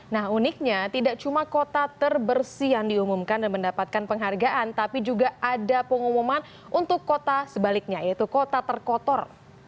nah uniknya tidak cuma kota terbersih yang diumumkan dan mendapatkan penghargaan tapi juga ada pengumuman untuk kota sebaliknya yaitu kota terkotor